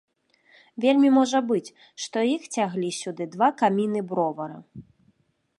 Вельмі можа быць, што іх цяглі сюды два каміны бровара.